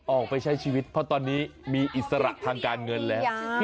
ออกไปใช้ชีวิตเพราะตอนนี้มีอิสระทางการเงินแล้ว